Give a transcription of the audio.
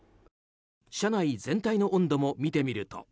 車内全体の温度も見てみると。